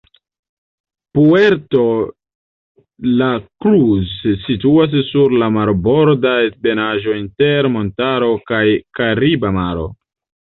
Puerto la Cruz situas sur la marborda ebenaĵo inter montaro kaj Kariba Maro.